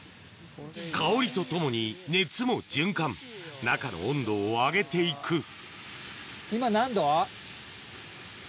香りとともに熱も循環中の温度を上げて行く今何℃？